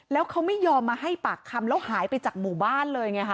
แล้วเขาไม่ยอมมาให้ปากคำแล้วหายไปจากหมู่บ้านเลยไงค่ะ